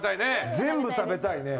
全部食べたいね。